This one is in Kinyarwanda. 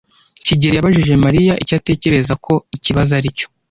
kigeli yabajije Mariya icyo atekereza ko ikibazo aricyo.